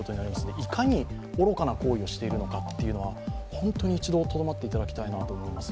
いかに愚かな行為をしているのかというのは、本当に一度とどまっていただきたいと思います。